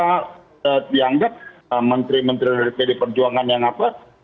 karena dianggap menteri menteri dari pd perjuangan yang apa